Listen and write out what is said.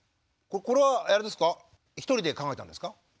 これはあれですか一人で考えたんですか？